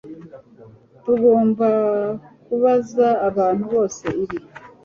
Tugomba kubaza abantu bose ibi